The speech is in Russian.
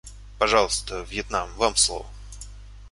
Пожалуйста, Вьетнам, вам слово.